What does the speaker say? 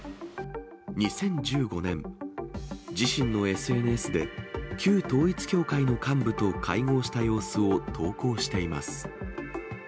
２０１５年、自身のＳＮＳで、旧統一教会の幹部と会合した様子を投稿しています。